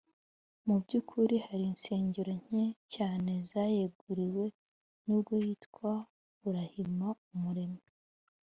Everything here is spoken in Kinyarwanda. mu by’ukuri hari insengero nke cyane zayeguriwe nubwo yitwa burahima umuremyi.